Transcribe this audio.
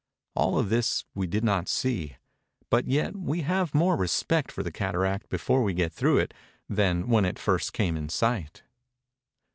All of this we did not see ; but yet we have more respect for the cataract before we get through it than when it first came in sight.